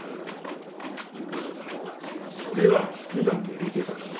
それは服がぬれてたから。